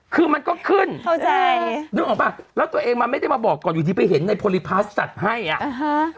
คือมันก็ขึ้นเข้าใจนึกออกป่ะแล้วตัวเองมันไม่ได้มาบอกก่อนอยู่ดีไปเห็นในโพลิพาสสัตว์ให้อ่ะอ่าฮะ